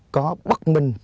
có bất minh